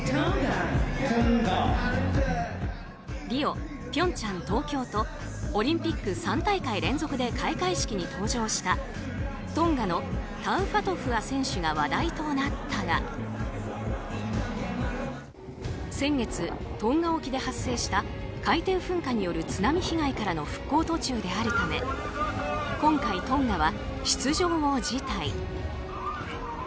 リオ、平昌、東京都オリンピック３大会連続で開会式に登場したトンガのタウファトフア選手が話題となったが先月、トンガ沖で発生した海底噴火による津波被害からの復興途中であるため今回トンガは出場を辞退。